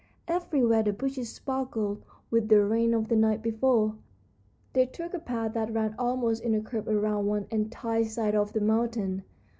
Everywhere the bushes sparkled with the rain of the night before. They took a path that ran almost in a curve around one entire side of the mountain.